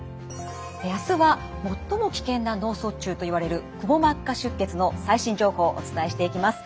明日は最も危険な脳卒中といわれるくも膜下出血の最新情報お伝えしていきます。